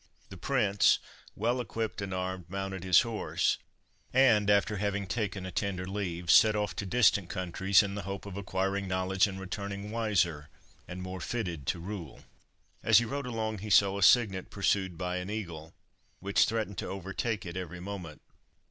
The prince, well equipped and armed, mounted his horse, and, after having taken a tender leave, set off to distant countries in the hope of acquiring knowledge and returning wiser, and more fitted to rule. As he rode along he saw a cygnet pursued by an eagle, which threatened to overtake it every moment.